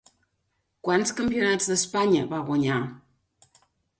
Quants campionats d'Espanya va guanyar?